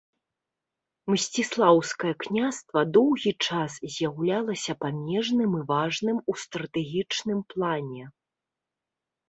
Мсціслаўскае княства доўгі час з'яўляўся памежным і важным у стратэгічным плане.